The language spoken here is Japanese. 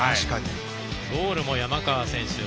ゴールも山川選手